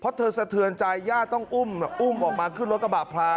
เพราะเธอสะเทือนใจญาติต้องอุ้มออกมาขึ้นรถกระบะพา